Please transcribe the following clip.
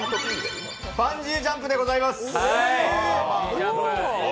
バンジージャンプでございます。